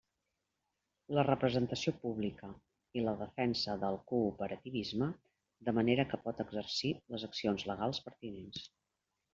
La representació pública i la defensa del cooperativisme, de manera que pot exercir les accions legals pertinents.